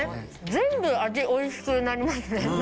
全部味おいしくなりますね。